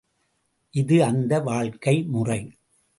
இது அந்த வாழ்க்கைமுறை.